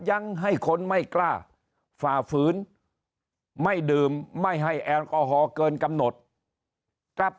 ยังให้คนไม่กล้าฝ่าฝืนไม่ดื่มไม่ให้แอลกอฮอล์เกินกำหนดกลับ